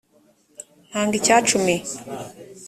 ntanga icya cumi